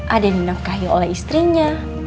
ada yang dinafkahi oleh istrinya